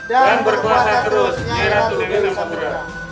dan berkuasa terus nyai ratu dewi samudera